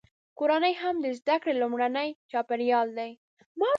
کورنۍ هم د زده کړې لومړنی چاپیریال دی.